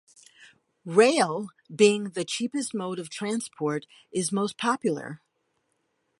Rail, being the cheapest mode of transport, is most popular.